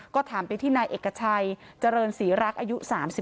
ก็ถามไปที่นายเอกชัยเจริญศรีรักษ์อายุ๓๒